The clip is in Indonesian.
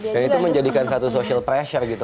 dan itu menjadikan satu social pressure gitu